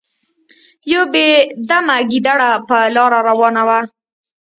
یو بې دمه ګیدړه په لاره روانه وه.